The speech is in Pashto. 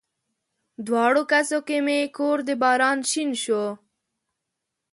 دواړو کسو کې مې کور د باران شین شو